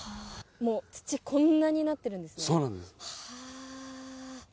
土、こんなになってるんですね。